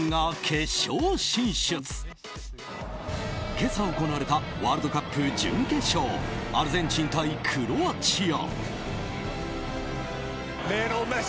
今朝行われたワールドカップ準決勝アルゼンチン対クロアチア。